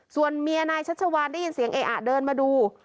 ส่วนเมียนายชัชวานได้ยินเสียงเออะเดินมาดู